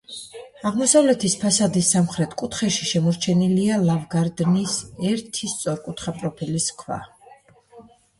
აღმოსავლეთის ფასადის სამხრეთ კუთხეში შემორჩენილია ლავგარდნის ერთი სწორკუთხა პროფილის ქვა.